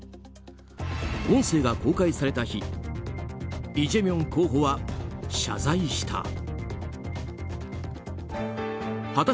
音声が公開された日イ・ジェミョン候補は謝罪した。